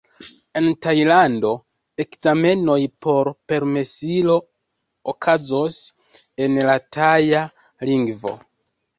En Tajlando, ekzamenoj por permesilo okazos en la Taja lingvo.